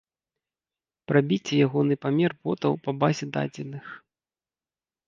Прабіце ягоны памер ботаў па базе дадзеных.